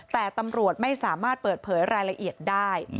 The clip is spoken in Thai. แต่ตำรวจไม่สามารถเปิดเผยรายละเอียดได้